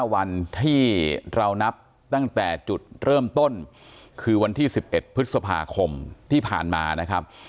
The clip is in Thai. วันที่เรานับตั้งแต่จุดเริ่มต้นคือวันที่๑๑พฤษภาคมที่ผ่านมานะครับ